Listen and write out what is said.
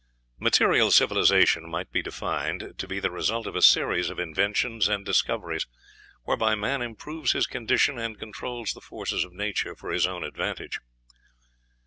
Material civilization might be defined to be the result of a series of inventions and discoveries, whereby man improves his condition, and controls the forces of nature for his own advantage.